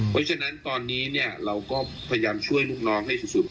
เพราะฉะนั้นตอนนี้เราก็พยายามช่วยลูกน้องให้สุด